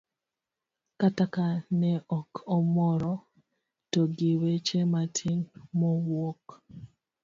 kata ka ne ok omoro; to gi weche matin mowuok.